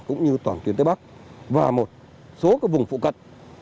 cũng như toàn tuyến tây bắc và một số vùng phụ cận